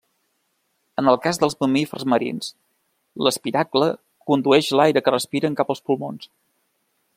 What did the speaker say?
En el cas dels mamífers marins, l'espiracle condueix l'aire que respiren cap als pulmons.